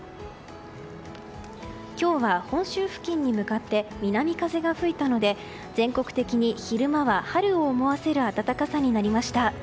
今日は本州付近に向かって南風が吹いたので全国的に昼間は春を思わせる暖かさになりました。